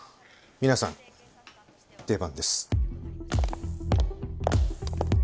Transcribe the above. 皆さん出番です。